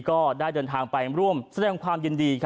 ก็ได้เดินทางไปร่วมแสดงความยินดี